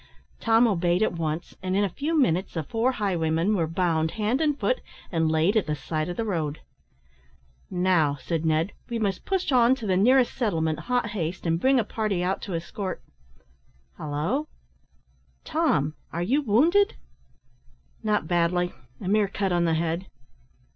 Tom obeyed at once, and in a few minutes the four highwaymen were bound hand and foot, and laid at the side of the road. "Now," said Ned, "we must push on to the nearest settlement hot haste, and bring a party out to escort Halloo! Tom, are you wounded?" "Not badly a mere cut on the head."